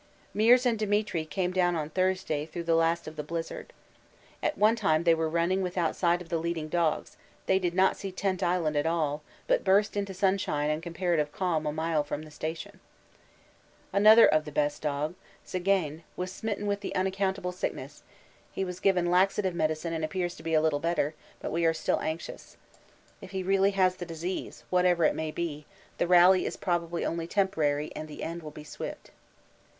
Meares and Demetri came down on Thursday through the last of the blizzard. At one time they were running without sight of the leading dogs they did not see Tent Island at all, but burst into sunshine and comparative calm a mile from the station. Another of the best of the dogs, 'Czigane,' was smitten with the unaccountable sickness; he was given laxative medicine and appears to be a little better, but we are still anxious. If he really has the disease, whatever it may be, the rally is probably only temporary and the end will be swift.